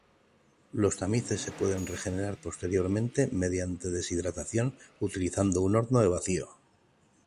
Los tamices se pueden regenerar posteriormente mediante deshidratación utilizando un horno de vacío.